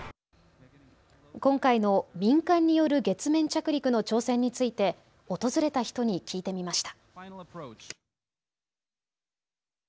今回の民間による月面着陸の挑戦について訪れた人に聞いてみました。